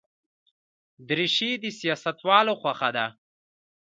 دریشي د سیاستوالو خوښه ده.